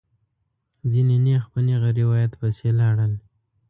ځینې نېغ په نېغه روایت پسې لاړل.